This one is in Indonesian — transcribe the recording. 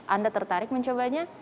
anda tertarik mencobanya